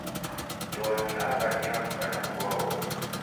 Ndoa ni aghadi ya mka na mndu wa w'omi.